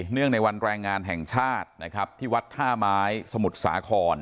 งในวันแรงงานแห่งชาตินะครับที่วัดท่าไม้สมุทรสาคร